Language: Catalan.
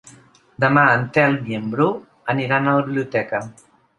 Demà en Telm i en Bru aniran a la biblioteca.